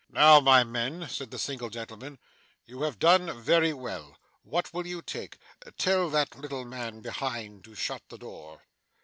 'Now, my men,' said the single gentleman; 'you have done very well. What will you take? Tell that little man behind, to shut the door.